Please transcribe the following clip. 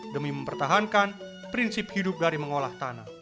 demi mempertahankan prinsip hidup dari mengolah tanah